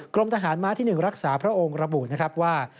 กรมทหารม้าที่๑รักษาพระองค์ระบุนะครับว่า